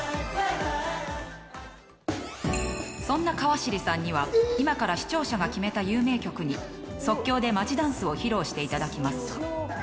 そんな川尻さんには今から視聴者が決めた有名曲に即興でマジダンスを披露していただきます。